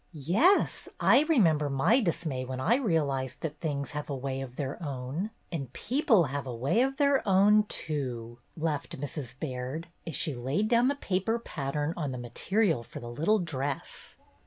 "Yes, I remember my dismay when I real ized that things have a way of their own. And people have a way of their own too," laughed Mrs. Baird, as she laid down the paper pat tern on the material for the little dress.